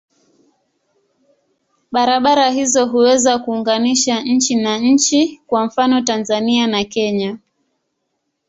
Barabara hizo huweza kuunganisha nchi na nchi, kwa mfano Tanzania na Kenya.